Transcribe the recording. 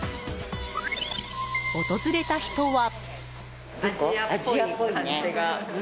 訪れた人は。